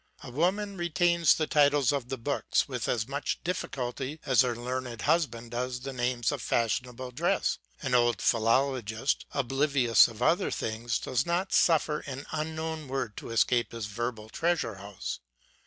A woman retains the titles of books with as much difficulty as her learned husband does the names of fashionable dresses ; an old philologist, oblivious of other things, does not suffer an unknown word to escape his verbal treasure house.